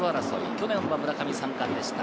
去年は村上３冠でした。